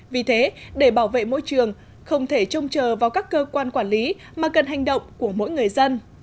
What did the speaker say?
vì thế để bảo vệ môi trường không thể trông chờ vào các cơ quan quản lý mà cần hành động của mỗi người dân